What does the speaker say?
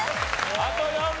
あと４問！